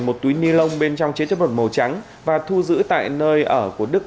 một túi ni lông bên trong chế chất bột màu trắng và thu giữ tại nơi ở của đức